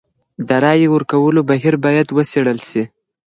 د رايې ورکولو بهير بايد وڅېړل سي.